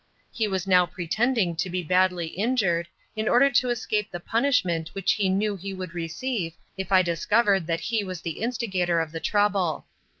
He was now pretending to be badly injured, in order to escape the punishment which he knew he would receive if I discovered that he was the instigator of the trouble.